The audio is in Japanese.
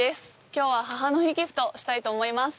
今日は母の日ギフトしたいと思います。